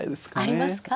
ありますか。